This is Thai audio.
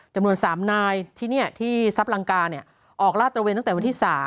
จำนวน๓นายที่นี่ที่ทรัพย์ลังกาออกลาดตระเวนตั้งแต่วันที่๓